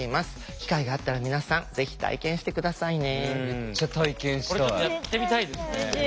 機会があったら皆さんぜひ体験して下さいね。